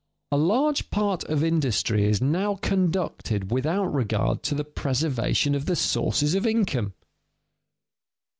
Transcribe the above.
_A large part of industry is now conducted without regard to the preservation of the source of income.